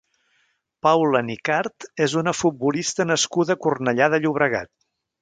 Paula Nicart és una futbolista nascuda a Cornellà de Llobregat.